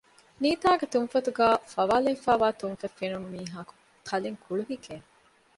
ނީތާގެ ތުންފަތުގައި ފަވާލެވިފައިވާ ތުންފަތް ފެނުނު މީހަކު ތަލިން ކުޅުހިކޭނެ